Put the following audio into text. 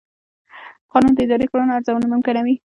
قانون د اداري کړنو ارزونه ممکنوي.